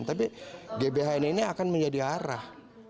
tapi gbhn ini akan menjadi arah